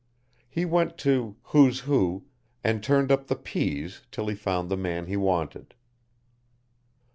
He went to "Who's Who" and turned up the P's till he found the man he wanted.